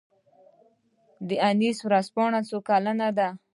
انیس ورځپاڼه څو کلنه ده؟